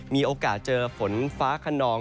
มีโอกาสเจอฝนฟ้าขนอง